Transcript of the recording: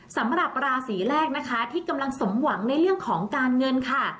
สำหรับราศีแรกนะคะที่กำลังสมหวังในเรื่องของการเงินค่ะ